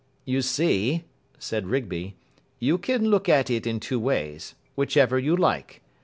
"You see," said Rigby, "you can look at it in two ways, whichever you like.